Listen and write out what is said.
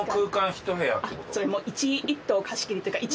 １棟貸し切りというか。